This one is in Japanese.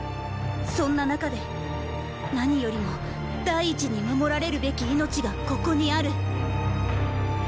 そんな中で何によりも第一に守られるべき命がここにある。